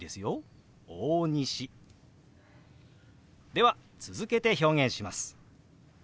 では続けて表現します。